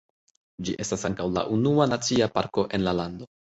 Ĝi estas ankaŭ la unua nacia parko en la lando.